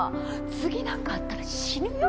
次なんかあったら死ぬよ。